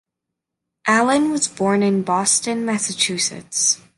Allen was born in Boston, Massachusetts.